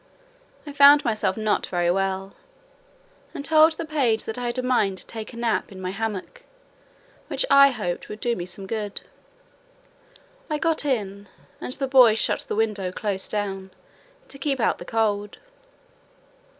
I found myself not very well, and told the page that I had a mind to take a nap in my hammock, which I hoped would do me good. I got in, and the boy shut the window close down, to keep out the cold.